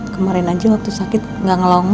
kemarin aja waktu sakit nggak ngelongong